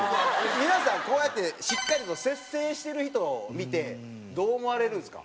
皆さんこうやってしっかりと節制してる人を見てどう思われるんですか？